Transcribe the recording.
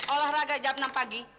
olahraga jam enam pagi